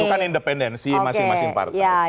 itu kan independensi masing masing partai